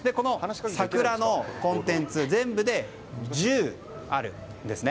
桜のコンテンツ全部で１０あるんですね。